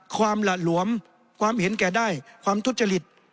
ความหละหลวมความเห็นแก่ด้ายความทุจกฤต